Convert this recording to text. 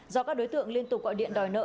do các đối tượng liên tục gọi điện đòi nợ